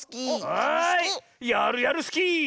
はいやるやるスキー！